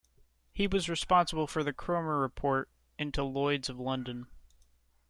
He was responsible for the Cromer Report into Lloyd's of London.